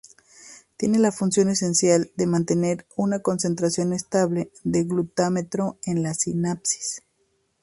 Tiene la función esencial de mantener una concentración estable de glutamato en las sinapsis.